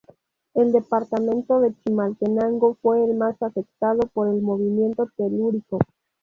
El departamento de Chimaltenango fue el más afectado por el movimiento telúrico.